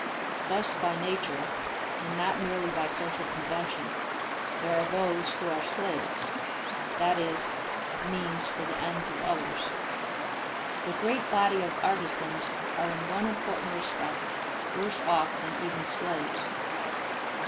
Thus by nature, and not merely by social convention, there are those who are slaves that is, means for the ends of others. 1 The great body of artisans are in one important respect worse off than even slaves.